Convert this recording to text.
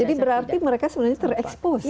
jadi berarti mereka sebenarnya terekspos ya